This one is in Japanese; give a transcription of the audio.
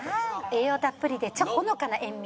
栄養たっぷりでほのかな塩味。